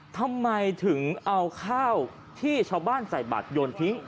ทำไมถึงเอาข้าวที่ชาวบ้านใส่บัตรโยนทิ้ง